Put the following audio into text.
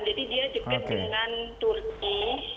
jadi dia dekat dengan turki